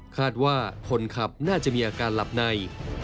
คาดว่าคนขับน่าจะมีอาการหลับใน